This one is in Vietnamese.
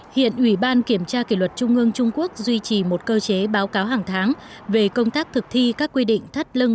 hiện ủy ban kiểm tra kỷ luật trung ương trung quốc duy trì một cơ chế báo cáo hàng tháng về công tác thực thi các quy định thắt lưng